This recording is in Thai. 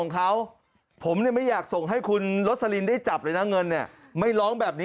ทำไมจับไม่ได้